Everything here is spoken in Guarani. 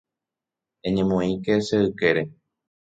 Eñemoĩke che ykére.